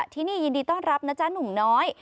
ที่นี่ยินดีต้อนรับนะจ๊ะหนุ่มน้อย